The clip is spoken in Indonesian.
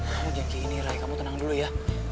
kamu jangan kayak gini ray kamu tenang dulu ya